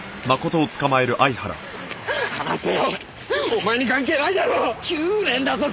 お前に関係ないだろ！